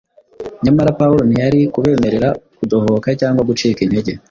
nyamara pawulo ntiyari kubemerera kudohoka cyangwa gucika intege.